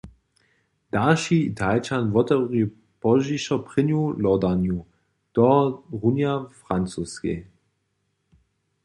Dalši Italčan wotewri pozdźišo prěnju lodarnju, tohorunja w Francoskej.